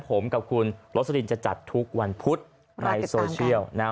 ผมกับคุณลสลินจะจัดทุกวันพุฒิในโซเชียล